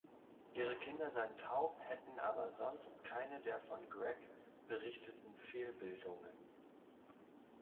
Ihre Kinder seien taub, hätten aber sonst keine der von Gregg berichteten Fehlbildungen.